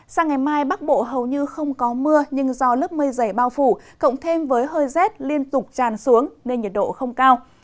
sang ngày mai bắc bộ hầu như không có mưa nhưng do lớp mây dày bao phủ cộng thêm với hơi rét liên tục tràn xuống nên nhiệt độ không cao